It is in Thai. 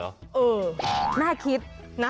เออน่าคิด